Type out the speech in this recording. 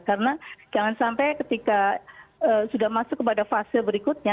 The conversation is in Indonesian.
karena jangan sampai ketika sudah masuk kepada fase berikutnya